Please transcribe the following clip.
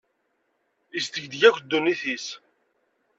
Isdegdeg akk ddunit-is.